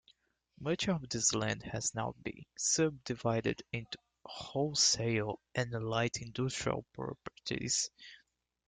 Much of this land has now been subdivided into wholesale and light industrial properties.